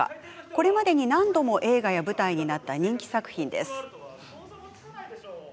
これまでに何度も映画や舞台になった人気作品です。